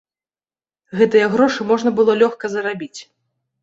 Гэтыя грошы можна было лёгка зарабіць.